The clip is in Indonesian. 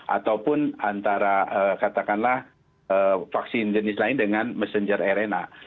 ataupun antara katakanlah vaksin jenis lain dengan messenger arena